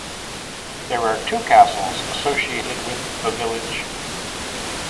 There are two castles associated with the village.